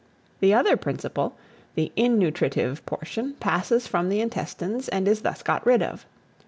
The other principle the innutritive portion passes from the intestines, and is thus got rid of.